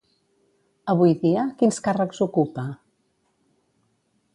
Avui dia, quins càrrecs ocupa?